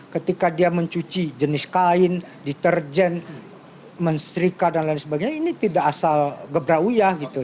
ketika dia mencuci jenis kain deterjen menserika dan lain sebagainya ini tidak asal gebrawiyah gitu